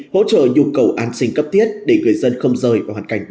hỗ trợ nhu cầu an sinh cấp thiết để người dân không rời vào hoàn cảnh bê tắc